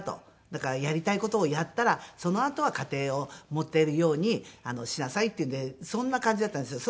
だからやりたい事をやったらそのあとは家庭を持てるようにしなさいっていうんでそんな感じだったんですよ。